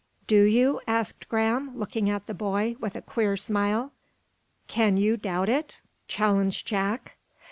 "Do you?" asked Graham, looking at the boy, with a queer smile. "Can you doubt it?" challenged Jack.